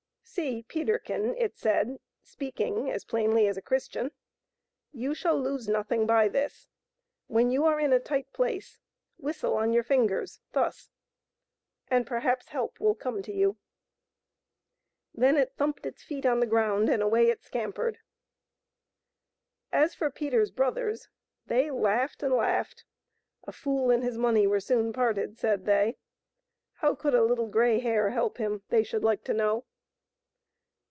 " See, Peterkin," it said, speaking as plainly as a Christian, " you shall lose nothing by this. When you are in a tight place, whistle on your fingers — thus — and perhaps help will come to you." Then it thumped its feet on the ground and away it scampered. As for Peter's brothers, they laughed and laughed. A fool and his money were soon parted, said they. How could a little gfrey hare help him, they should like to know?